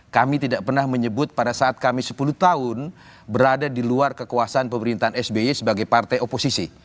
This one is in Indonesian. kami tidak pernah menyebut pada saat kami sepuluh tahun berada di luar kekuasaan pemerintahan sby sebagai partai oposisi